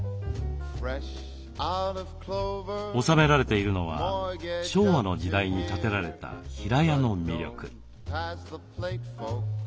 収められているのは昭和の時代に建てられた平屋の魅力。